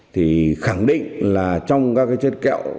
thì khẳng định là trong các chất kẹo